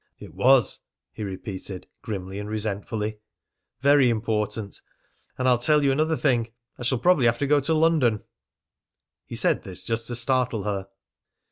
"It was!" he repeated grimly and resentfully. "Very important! And I'll tell you another thing, I shall probably have to go to London." He said this just to startle her.